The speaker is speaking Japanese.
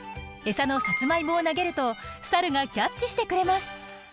餌のサツマイモを投げるとサルがキャッチしてくれます。